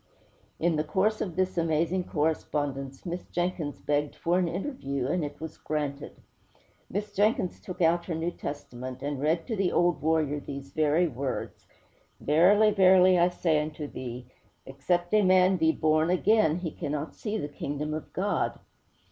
In the course of this amazing correspondence, Miss Jenkins begged for an interview, and it was granted. Miss Jenkins took out her New Testament and read to the old warrior these very words. '_Verily, verily, I say unto thee, except a man be born again, he cannot see the Kingdom of God!